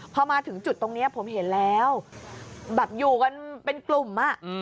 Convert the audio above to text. พอมาถึงจุดตรงนี้ผมเห็นแล้วแบบอยู่กันเป็นกลุ่มอ่ะ